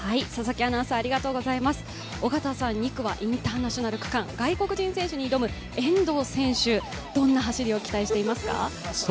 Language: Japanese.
２区はインターナショナル区間、外国人選手に挑む遠藤選手、どんな走りを期待していますか？